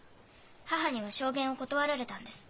母には証言を断られたんです。